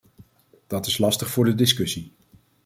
Dat is lastig voor de discussie.